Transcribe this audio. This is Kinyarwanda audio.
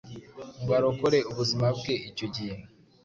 ngo arokore ubuzima bwe icyo gihe,